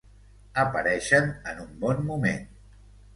Apareixen en un bon moment.